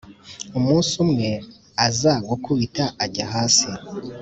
Umunsi umwe aza gukubita ajya hasi,